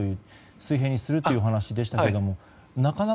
水平にさせるというお話でしたが。